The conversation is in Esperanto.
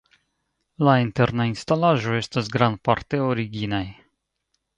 La internaj instalaĵoj estas grandparte originaj.